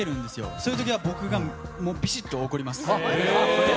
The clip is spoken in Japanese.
そういう時は僕がビシッと怒ります。